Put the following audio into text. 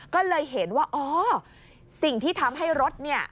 ก็เลยเห็นว่าอ๋อสิ่งที่ทำให้รถเนี่ย